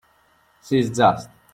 She is just.